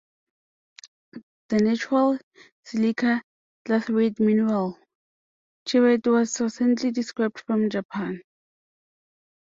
The natural silica clathrate mineral, chibaite was recently described from Japan.